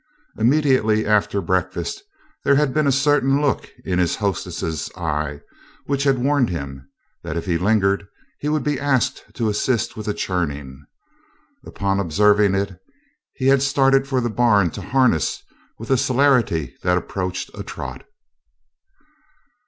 Immediately after breakfast there had been a certain look in his hostess's eye which had warned him that if he lingered he would be asked to assist with the churning. Upon observing it he had started for the barn to harness with a celerity that approached a trot.